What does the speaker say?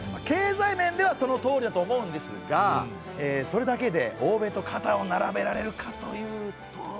経済面ではそのとおりだと思うんですがそれだけで欧米と肩を並べられるかというと。